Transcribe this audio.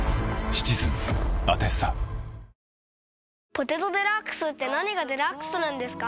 「ポテトデラックス」って何がデラックスなんですか？